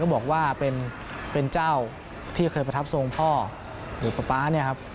ก็บอกว่าเป็นเจ้าที่เคยประทับทรงพ่อหรือป๊าป๊า